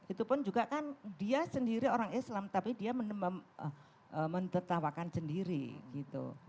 itu pun juga kan dia sendiri orang islam tapi dia mentertawakan sendiri gitu